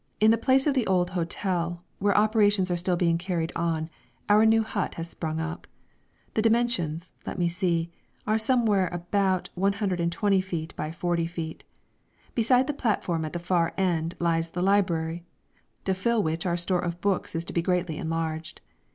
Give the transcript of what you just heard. _ In place of the old hotel, where operations are still being carried on, our new hut has sprung up. The dimensions, let me see, are somewhere about 120 feet by 40 feet. Beside the platform at the far end lies the library, to fill which our store of books is to be greatly enlarged.